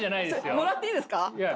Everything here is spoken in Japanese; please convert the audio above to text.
それもらっていいですか？